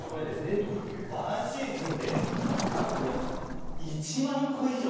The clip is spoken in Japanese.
１シーズンでなんと皆さん１万個以上。